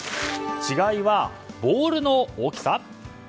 違いはボールの大きさ？